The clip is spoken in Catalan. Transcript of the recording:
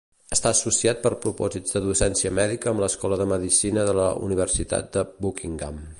Està associat per propòsits de docència mèdica amb l'escola de medicina de la Universitat de Buckingham.